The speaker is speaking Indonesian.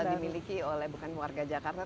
dimiliki oleh bukan warga jakarta